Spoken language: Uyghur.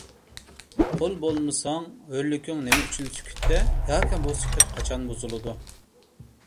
قۇل بولمىساڭ، ھۆرلۈكىڭ نېمە ئۈچۈن سۈكۈتتە؟! ياكى بۇ سۈكۈت قاچان بۇزۇلىدۇ؟